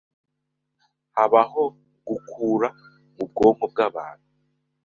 Habaho gukura mubwonko bwabantu